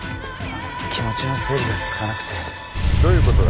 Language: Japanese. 気持ちの整理がつかなくてどういうことだ？